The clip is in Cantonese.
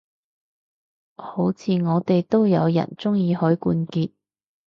好似我哋都有人鍾意許冠傑